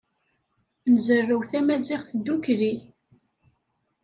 Nzerrew tamaziɣt ddukkli.